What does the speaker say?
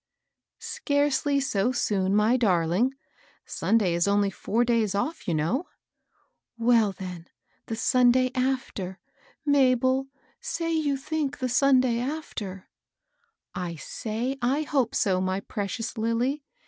" Scarcely so soon, my darling. Sunday is only four days off, you know." " Well, then, the Sunday after, — Mabel, say you think the Sunday after I "" I say I hope so, my precious Lilly.